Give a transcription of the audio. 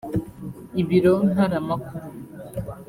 Ibiro ntaramakuru